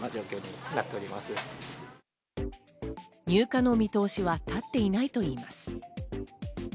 入荷の見通しは立っていないといいます。